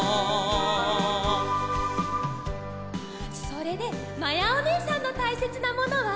それでまやおねえさんのたいせつなものは？